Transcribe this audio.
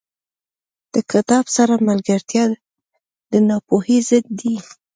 • د کتاب سره ملګرتیا، د ناپوهۍ ضد دی.